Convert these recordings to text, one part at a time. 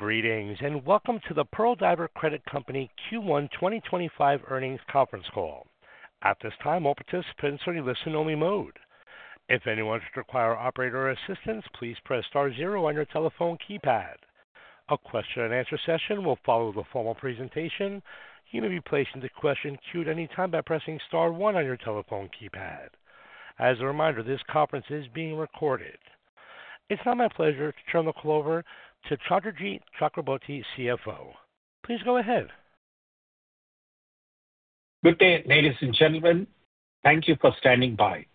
Greetings and welcome to the Pearl Diver Credit Company Q1 2025 Earnings Conference Call. At this time, all participants are in listen-only mode. If anyone should require operator assistance, please press star zero on your telephone keypad. A question-and-answer session will follow the formal presentation. You may be placed into question queue anytime by pressing star one on your telephone keypad. As a reminder, this conference is being recorded. It's now my pleasure to turn the call over to Chandrajit Chakraborty, CFO. Please go ahead. Good day, ladies and gentlemen. Thank you for standing by.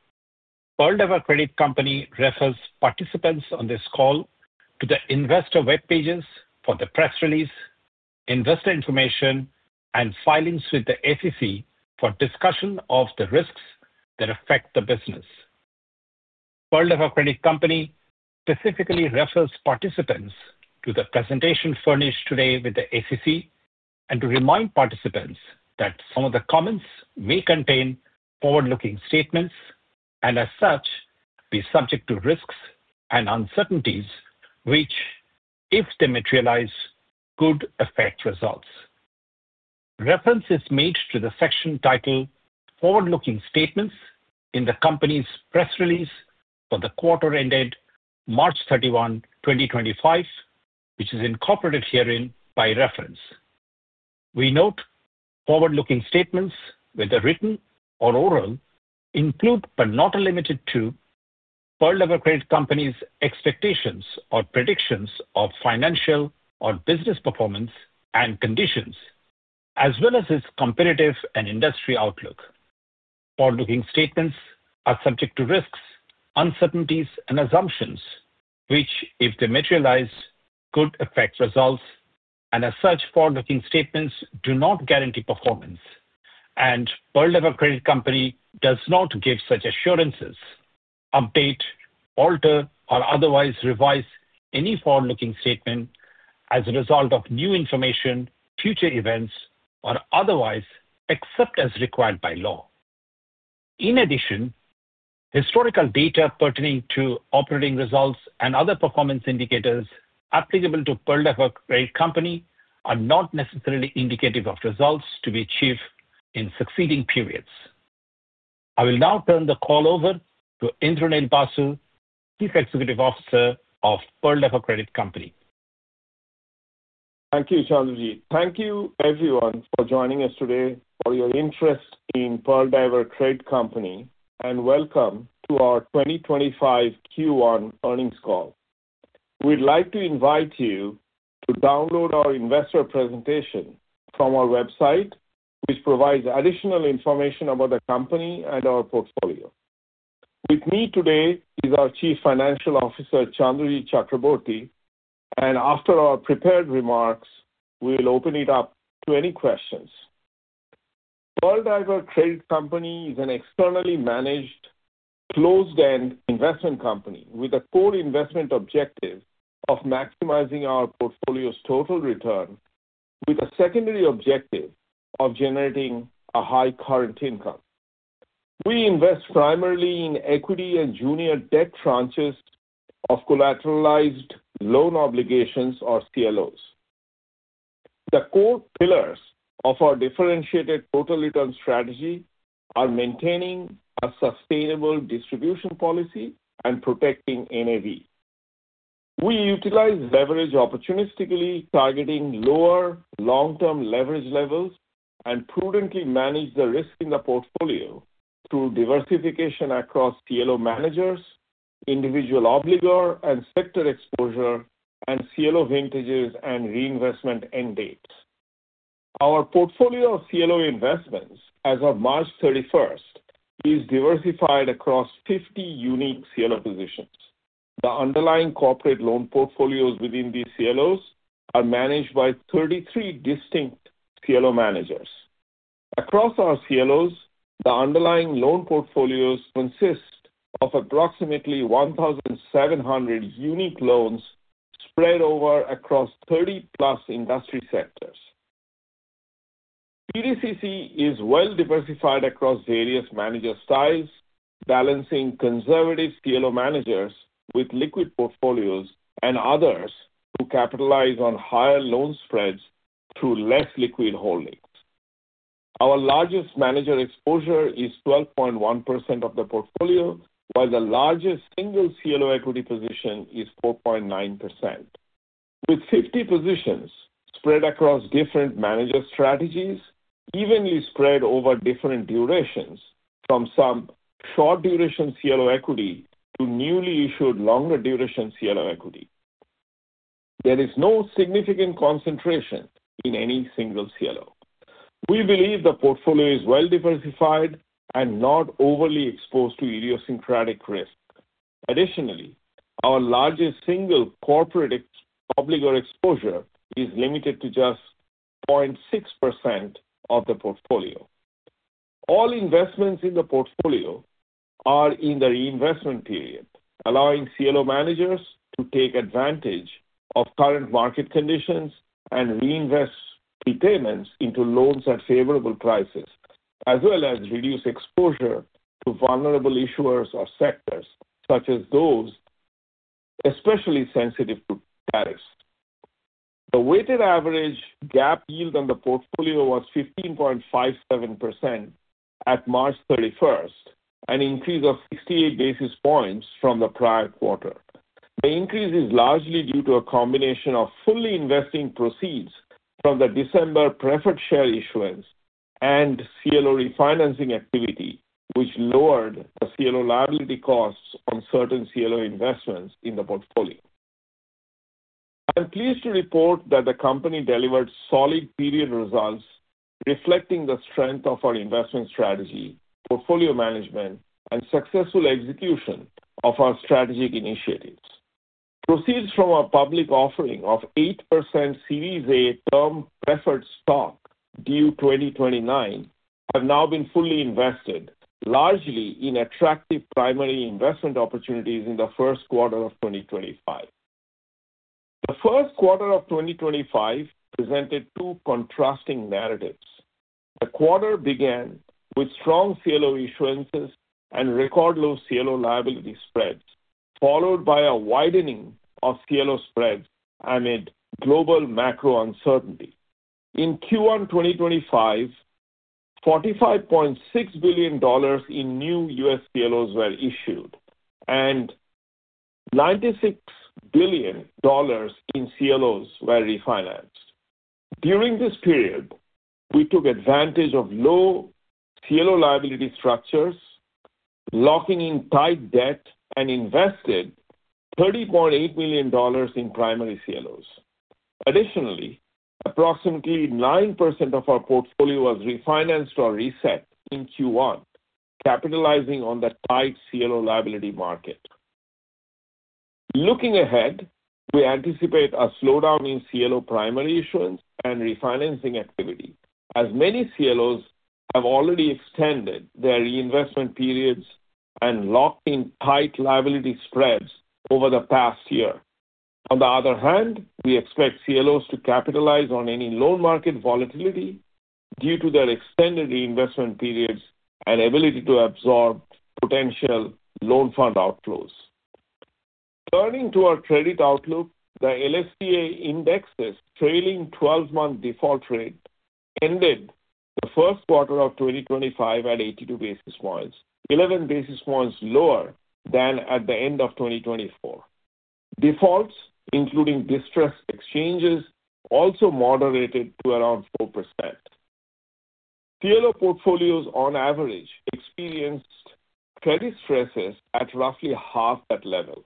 Pearl Diver Credit Company refers participants on this call to the investor web pages for the press release, investor information, and filings with the SEC for discussion of the risks that affect the business. Pearl Diver Credit Company specifically refers participants to the presentation furnished today with the SEC and to remind participants that some of the comments may contain forward-looking statements and, as such, be subject to risks and uncertainties which, if they materialize, could affect results. Reference is made to the section titled "Forward-Looking Statements" in the company's press release for the quarter ended March 31, 2025, which is incorporated herein by reference. We note forward-looking statements, whether written or oral, include but are not limited to Pearl Diver Credit Company's expectations or predictions of financial or business performance and conditions, as well as its competitive and industry outlook. Forward-looking statements are subject to risks, uncertainties, and assumptions which, if they materialize, could affect results, and as such, forward-looking statements do not guarantee performance, and Pearl Diver Credit Company does not give such assurances, update, alter, or otherwise revise any forward-looking statement as a result of new information, future events, or otherwise except as required by law. In addition, historical data pertaining to operating results and other performance indicators applicable to Pearl Diver Credit Company are not necessarily indicative of results to be achieved in succeeding periods. I will now turn the call over to Indranil Basu, Chief Executive Officer of Pearl Diver Credit Company. Thank you, Chandrajit. Thank you, everyone, for joining us today for your interest in Pearl Diver Credit Company, and welcome to our 2025 Q1 earnings call. We'd like to invite you to download our investor presentation from our website, which provides additional information about the company and our portfolio. With me today is our Chief Financial Officer, Chandrajit Chakraborty, and after our prepared remarks, we'll open it up to any questions. Pearl Diver Credit Company is an externally managed, closed-end investment company with a core investment objective of maximizing our portfolio's total return, with a secondary objective of generating a high current income. We invest primarily in equity and junior debt tranches of collateralized loan obligations, or CLOs. The core pillars of our differentiated total return strategy are maintaining a sustainable distribution policy and protecting NAV. We utilize leverage opportunistically, targeting lower long-term leverage levels, and prudently manage the risk in the portfolio through diversification across CLO managers, individual obligor, and sector exposure, and CLO vintages and reinvestment end dates. Our portfolio of CLO investments as of March 31st is diversified across 50 unique CLO positions. The underlying corporate loan portfolios within these CLOs are managed by 33 distinct CLO managers. Across our CLOs, the underlying loan portfolios consist of approximately 1,700 unique loans spread over 30-plus industry sectors. PDCC is well-diversified across various manager styles, balancing conservative CLO managers with liquid portfolios and others who capitalize on higher loan spreads through less liquid holdings. Our largest manager exposure is 12.1% of the portfolio, while the largest single CLO equity position is 4.9%, with 50 positions spread across different manager strategies, evenly spread over different durations, from some short-duration CLO equity to newly issued longer-duration CLO equity. There is no significant concentration in any single CLO. We believe the portfolio is well-diversified and not overly exposed to idiosyncratic risk. Additionally, our largest single corporate obligor exposure is limited to just 0.6% of the portfolio. All investments in the portfolio are in the reinvestment period, allowing CLO managers to take advantage of current market conditions and reinvest repayments into loans at favorable prices, as well as reduce exposure to vulnerable issuers or sectors such as those especially sensitive to tariffs. The weighted average gap yield on the portfolio was 15.57% at March 31st, an increase of 68 basis points from the prior quarter. The increase is largely due to a combination of fully investing proceeds from the December preferred share issuance and CLO refinancing activity, which lowered the CLO liability costs on certain CLO investments in the portfolio. I'm pleased to report that the company delivered solid period results reflecting the strength of our investment strategy, portfolio management, and successful execution of our strategic initiatives. Proceeds from our public offering of 8% Series A term preferred stock due 2029 have now been fully invested, largely in attractive primary investment opportunities in the first quarter of 2025. The first quarter of 2025 presented two contrasting narratives. The quarter began with strong CLO issuances and record-low CLO liability spreads, followed by a widening of CLO spreads amid global macro uncertainty. In Q1 2025, $45.6 billion in new US CLOs were issued, and $96 billion in CLOs were refinanced. During this period, we took advantage of low CLO liability structures, locking in tight debt, and invested $30.8 million in primary CLOs. Additionally, approximately 9% of our portfolio was refinanced or reset in Q1, capitalizing on the tight CLO liability market. Looking ahead, we anticipate a slowdown in CLO primary issuance and refinancing activity, as many CLOs have already extended their reinvestment periods and locked in tight liability spreads over the past year. On the other hand, we expect CLOs to capitalize on any loan market volatility due to their extended reinvestment periods and ability to absorb potential loan fund outflows. Turning to our credit outlook, the LSCA index's trailing 12-month default rate ended the first quarter of 2025 at 82 basis points, 11 basis points lower than at the end of 2024. Defaults, including distressed exchanges, also moderated to around 4%. CLO portfolios, on average, experienced credit stresses at roughly half that level.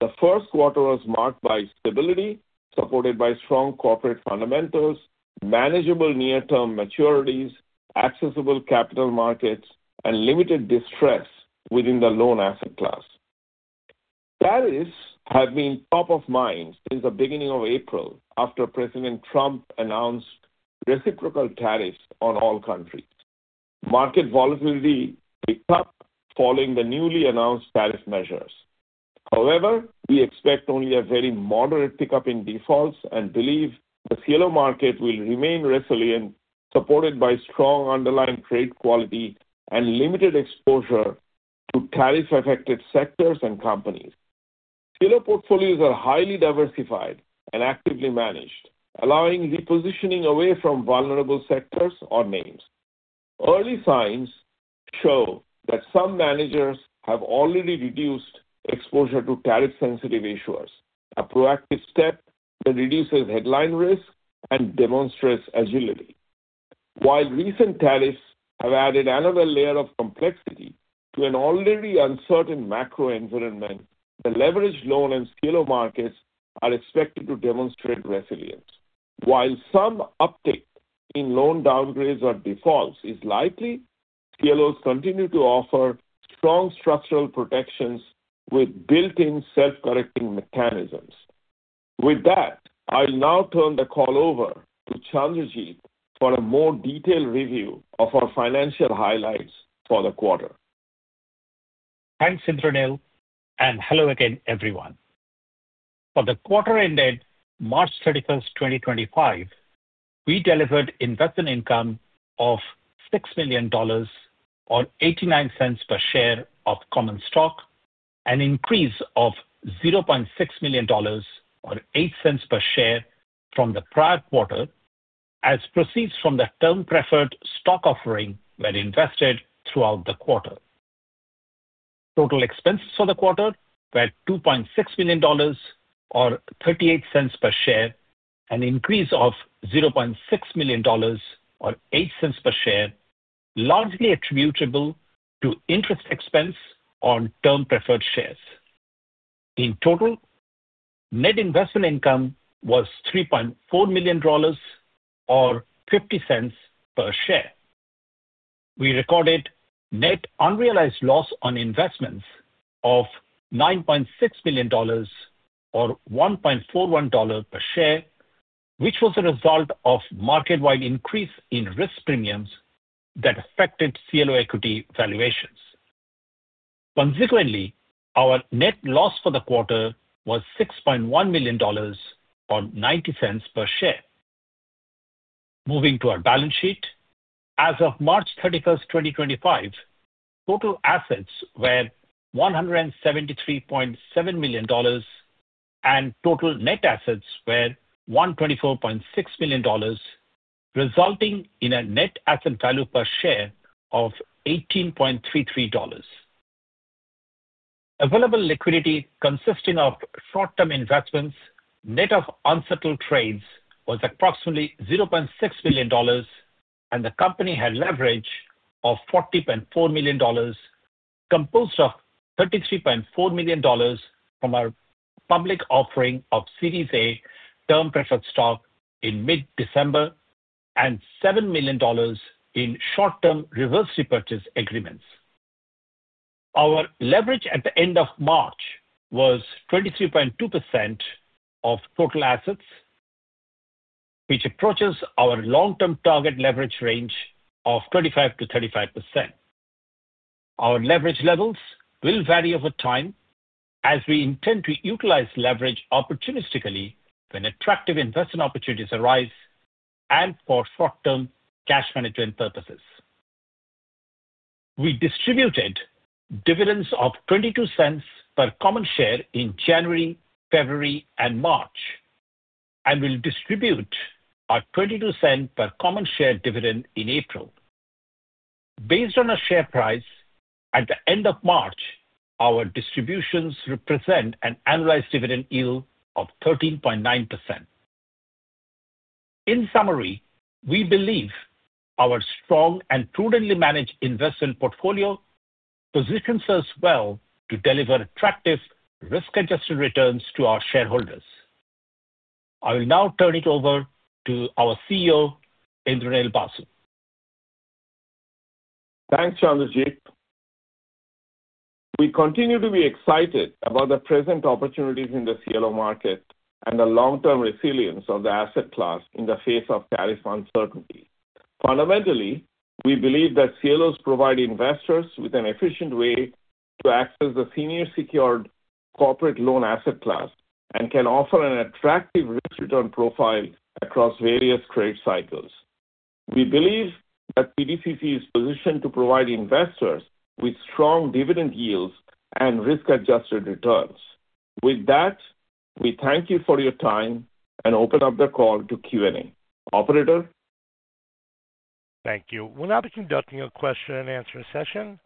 The first quarter was marked by stability, supported by strong corporate fundamentals, manageable near-term maturities, accessible capital markets, and limited distress within the loan asset class. Tariffs have been top of mind since the beginning of April after President Trump announced reciprocal tariffs on all countries. Market volatility picked up following the newly announced tariff measures. However, we expect only a very moderate pickup in defaults and believe the CLO market will remain resilient, supported by strong underlying trade quality and limited exposure to tariff-affected sectors and companies. CLO portfolios are highly diversified and actively managed, allowing repositioning away from vulnerable sectors or names. Early signs show that some managers have already reduced exposure to tariff-sensitive issuers, a proactive step that reduces headline risk and demonstrates agility. While recent tariffs have added another layer of complexity to an already uncertain macro environment, the leveraged loan and CLO markets are expected to demonstrate resilience. While some uptick in loan downgrades or defaults is likely, CLOs continue to offer strong structural protections with built-in self-correcting mechanisms. With that, I'll now turn the call over to Chandrajit for a more detailed review of our financial highlights for the quarter. Thanks, Indranil, and hello again, everyone. For the quarter-ended March 31, 2025, we delivered investment income of $6 million or $0.89 per share of common stock, an increase of $0.6 million or $0.08 per share from the prior quarter, as proceeds from the term preferred stock offering were invested throughout the quarter. Total expenses for the quarter were $2.6 million or $0.38 per share, an increase of $0.6 million or $0.08 per share, largely attributable to interest expense on term preferred shares. In total, net investment income was $3.4 million or $0.50 per share. We recorded net unrealized loss on investments of $9.6 million or $1.41 per share, which was a result of market-wide increase in risk premiums that affected CLO equity valuations. Consequently, our net loss for the quarter was $6.1 million or $0.90 per share. Moving to our balance sheet, as of March 31st, 2025, total assets were $173.7 million and total net assets were $124.6 million, resulting in a net asset value per share of $18.33. Available liquidity consisting of short-term investments, net of unsettled trades, was approximately $0.6 million, and the company had leverage of $40.4 million, composed of $33.4 million from our public offering of Series A term preferred stock in mid-December and $7 million in short-term reverse repurchase agreements. Our leverage at the end of March was 23.2% of total assets, which approaches our long-term target leverage range of 25%-35%. Our leverage levels will vary over time, as we intend to utilize leverage opportunistically when attractive investment opportunities arise and for short-term cash management purposes. We distributed dividends of $0.22 per common share in January, February, and March, and will distribute a $0.22 per common share dividend in April. Based on our share price at the end of March, our distributions represent an annualized dividend yield of 13.9%. In summary, we believe our strong and prudently managed investment portfolio positions us well to deliver attractive risk-adjusted returns to our shareholders. I will now turn it over to our CEO, Indranil Basu. Thanks, Chandrajit. We continue to be excited about the present opportunities in the CLO market and the long-term resilience of the asset class in the face of tariff uncertainty. Fundamentally, we believe that CLOs provide investors with an efficient way to access the senior secured corporate loan asset class and can offer an attractive risk-return profile across various trade cycles. We believe that PDCC is positioned to provide investors with strong dividend yields and risk-adjusted returns. With that, we thank you for your time and open up the call to Q&A. Operator. Thank you. We'll now be conducting a question-and-answer session.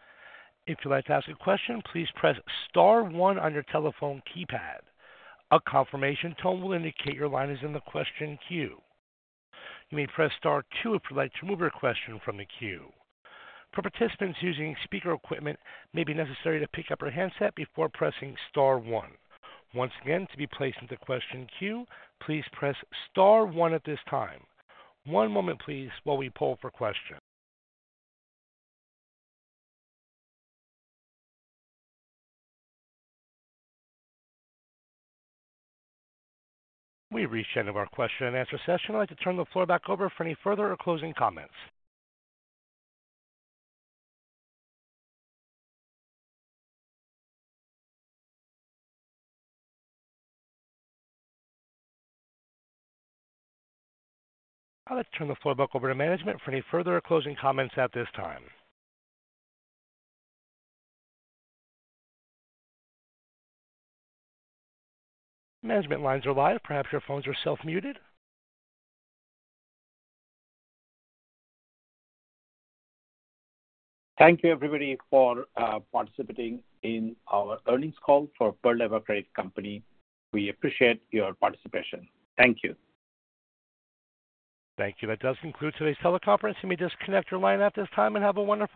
If you'd like to ask a question, please press star one on your telephone keypad. A confirmation tone will indicate your line is in the question queue. You may press star two if you'd like to remove your question from the queue. For participants using speaker equipment, it may be necessary to pick up your handset before pressing star one. Once again, to be placed in the question queue, please press star one at this time. One moment, please, while we pull up your question. We've reached the end of our question-and-answer session. I'd like to turn the floor back over for any further or closing comments. I'd like to turn the floor back over to management for any further or closing comments at this time. Management lines are live. Perhaps your phones are self-muted. Thank you, everybody, for participating in our earnings call for Pearl Diver Credit Company. We appreciate your participation. Thank you. Thank you. That does conclude today's teleconference. You may disconnect your line at this time and have a wonderful day.